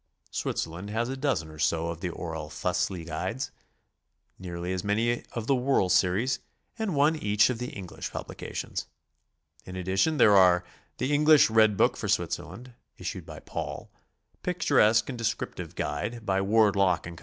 Switzerland has a dozen or two of the Orell Fussli guides, nearly as many of the Woerl series, and one each of the English publications. In addition there are: "The Eng lish Red Book for Switzerland," issued by Paul; "Pictur esque an d Descriptive Guide," by Ward, Lock & Co.